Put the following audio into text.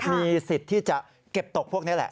มีสิทธิ์ที่จะเก็บตกพวกนี้แหละ